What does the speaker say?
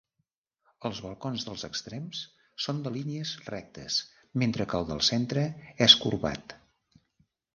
Els balcons dels extrems són de línies rectes mentre que el del centre és corbat.